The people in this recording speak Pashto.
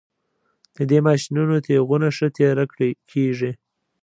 د دې ماشینونو تیغونه ښه تیره کیږي